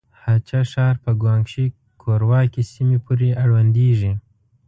هه چه ښار په ګوانګ شي کورواکې سيمې پورې اړونديږي.